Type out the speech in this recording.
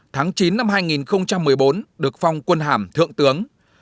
tháng chín năm hai nghìn một mươi bốn được phong quân hàm thượng tướng